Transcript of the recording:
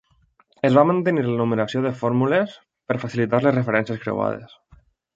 Es va mantenir la numeració de fórmules per facilitar les referències creuades.